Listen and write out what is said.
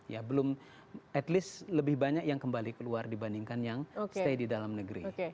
ya belum at least lebih banyak yang kembali keluar dibandingkan yang stay di dalam negeri